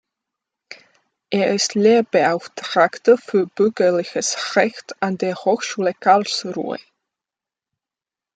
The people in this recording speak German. Er ist Lehrbeauftragter für Bürgerliches Recht an der Hochschule Karlsruhe.